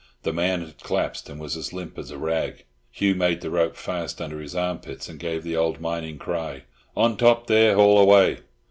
The man had collapsed, and was as limp as a rag. Hugh made the rope fast under his armpits, and gave the old mining cry, "On top there, haul away."